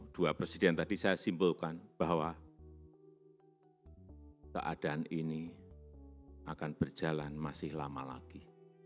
dua presiden tadi saya simpulkan bahwa keadaan ini akan berjalan masih lama lagi